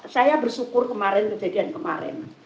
saya bersyukur kemarin kejadian kemarin